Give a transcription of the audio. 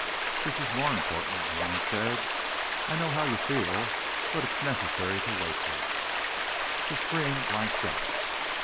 "This is more important," Malone said. "I know how you feel, but it's necessary to wake her." The screen blanked out.